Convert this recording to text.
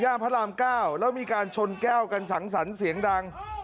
พระรามเก้าแล้วมีการชนแก้วกันสังสรรค์เสียงดัง